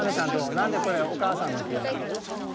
何でこれお母さんの木なの？